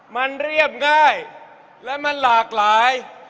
มันเรียบง่ายและมันหลากหลาย